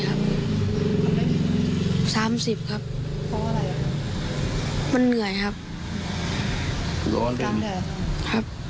หลังกินข้าวเสร็จใช่ไหมครับ